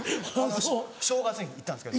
正月に行ったんですけど。